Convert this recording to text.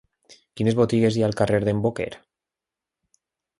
Quines botigues hi ha al carrer d'en Boquer?